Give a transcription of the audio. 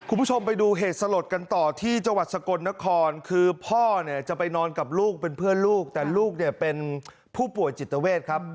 คุณผู้ชมไปดูเหตุสลดกันต่อที่จังหวัดสกลนครคือพ่อเนี่ยจะไปนอนกับลูกเป็นเพื่อนลูกแต่ลูกเนี่ยเป็นผู้ป่วยจิตเวทครับ